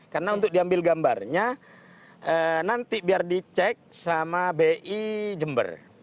karena untuk diambil gambarnya nanti biar dicek sama bi jember